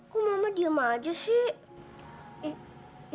kok mama diem aja sih